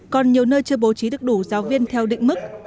còn nhiều nơi chưa bố trí được đủ giáo viên theo định mức